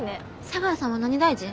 茶川さんは何大臣？